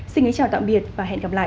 xin chào tạm biệt và hẹn gặp lại